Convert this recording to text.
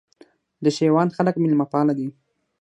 د شېوان خلک مېلمه پاله دي